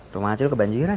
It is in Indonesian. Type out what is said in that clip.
rumah acil kebanjiran